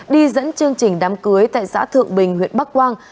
đi dẫn chương trình đám cưới tại xã thượng bình huyện bắc quang